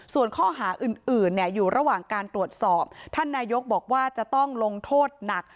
ส่วนข้อหาอื่นอยู่ระหว่างการตรวจสอบท่านนายกบอกว่าจะต้องลงโทษหนัก